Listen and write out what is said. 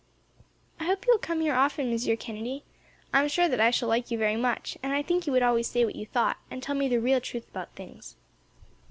"I hope you will come here often, Monsieur Kennedy. I am sure that I shall like you very much, and I think that you would always say what you thought, and tell me the real truth about things."